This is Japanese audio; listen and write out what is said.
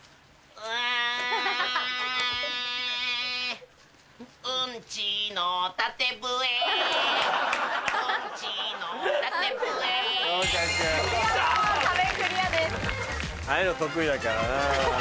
ああいうの得意だからな。